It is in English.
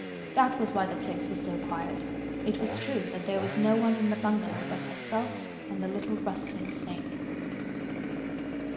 That was why the place was so quiet. It was true that there was no one in the bungalow but herself and the little rustling snake.